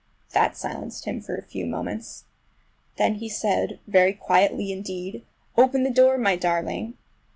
That silenced him for a few moments. Then he said—very quietly indeed, "Open the door, my darling!"